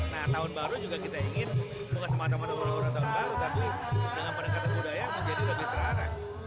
nah tahun baru juga kita ingin bukan semata mata kuliah tahun baru tapi dengan pendekatan budaya menjadi lebih terarah